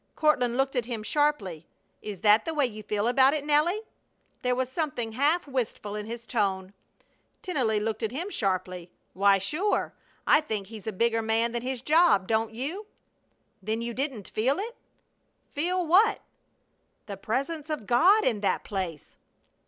Courtland looked at him sharply. "Is that the way you feel about it, Nelly?" There was something half wistful in his tone. Tennelly looked at him sharply. "Why, sure! I think he's a bigger man than his job, don't you?" "Then you didn't feel it?" "Feel what?" "The Presence of God in that place!"